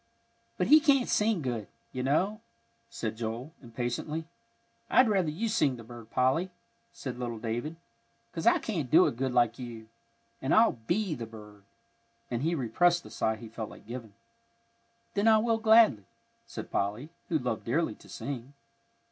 "But he can't sing good, you know," said Joel, impatiently. "I'd rather you'd sing the bird, Polly," said little David, "'cause I can't do it good like you; and I'll be the bird." And he repressed the sigh he felt like giving. "Then I will, gladly," said Polly, who loved dearly to sing.